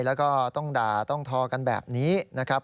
แล้วก็ต้องด่าต้องทอกันแบบนี้นะครับ